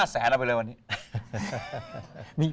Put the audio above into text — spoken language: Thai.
แสนเอาไปเลยวันนี้